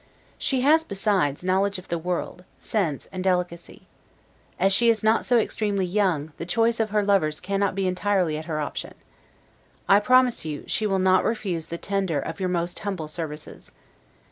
She has, besides, knowledge of the world, sense, and delicacy. As she is not so extremely young, the choice of her lovers cannot be entirely at her option. I promise you, she will not refuse the tender of your most humble services.